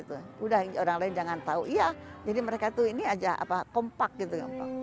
udah orang lain jangan tahu iya jadi mereka itu ini aja kompak gitu